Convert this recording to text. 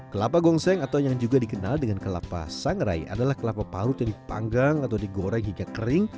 kelapa gongseng atau yang juga dikenal dengan kelapa sangrai adalah kelapa parut yang dipanggang atau digoreng hingga kering